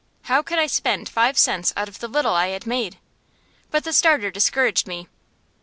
How could I spend five cents out of the little I had made? But the starter discouraged me.